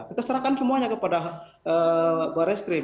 kita serahkan semuanya kepada barreskrim